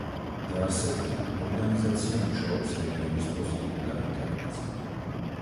დაარსებიდან ორგანიზაცია მუშაობს რეგიონის პოზიტიურ განვითარებაზე.